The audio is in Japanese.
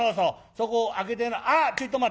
そこ開けてなあっちょいと待て。